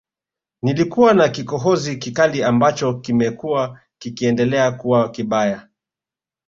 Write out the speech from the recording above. Nilikuwa na kikohozi kikali ambacho kimekuwa kikiendelea kuwa kibaya